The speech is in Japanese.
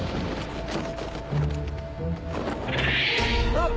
あっ！